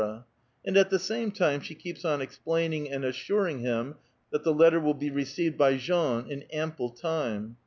And at the same time she keeps on explaining and assuring him that the letter will be received by Jean in ample time.